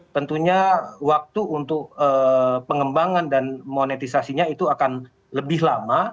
tentunya waktu untuk pengembangan dan monetisasinya itu akan lebih lama